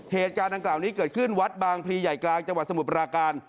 เหตุการณ์ดังกล่าวนี้เกิดขึ้นวัดบางพลีใหญ่กลางจังหวัดสมุทรปราการ